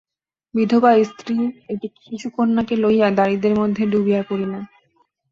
বিধবা স্ত্রী একটি শিশুকন্যাকে লইয়া দারিদ্র্যের মধ্যে ডুবিয়া পড়িলেন।